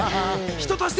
人として。